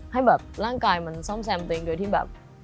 ให้แบบร่างกายมันซ่อมแซมตัวเองโดยที่แบบ